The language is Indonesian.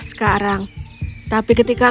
sekarang tapi ketika